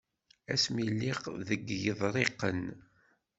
Asmi lliɣ deg Yiḍriqen.